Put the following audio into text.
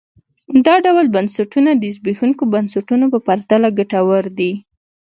دا ډول بنسټونه د زبېښونکو بنسټونو په پرتله ګټور دي.